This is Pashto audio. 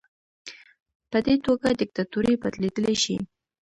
په دې توګه دیکتاتوري بدلیدلی شي.